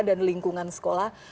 dan lingkungan sekolah